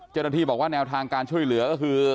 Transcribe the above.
เจ้าหน้าที่บอกว่าแนวทางการช่วยเหลือก็คือ